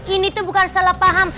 ini tuh bukan salah paham